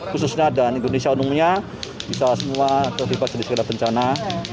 khususnya dan indonesia umumnya bisa semua terpipas dari segala bencana